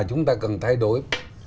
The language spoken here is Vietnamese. chúng ta cần thay đổi